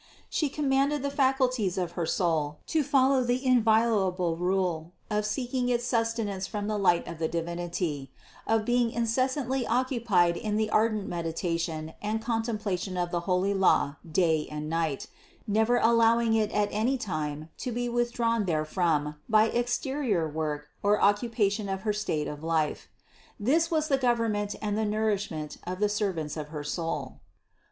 She commanded the fac ulties of her soul to follow the inviolable rule of seek ing its sustenance from the light of the Divinity, of being incessantly occupied in the ardent meditation and contemplation of the holy law day and night, never al lowing it at any time to be withdrawn therefrom by exterior work or occupation of her state of life. This was the government and the nourishment of the servants of her soul.